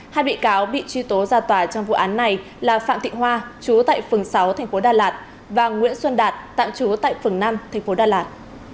hai bị cáo bị truy tố ra tòa trong vụ án này là phạm thị hoa chú tại phường sáu tp đà lạt và nguyễn xuân đạt tạm trú tại phường năm tp đà lạt